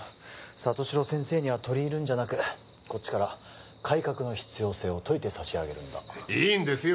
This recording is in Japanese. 里城先生には取り入るんじゃなくこっちから改革の必要性を説いて差し上げるんだいいんですよ